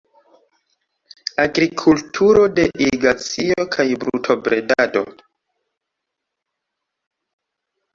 Agrikulturo de irigacio kaj brutobredado.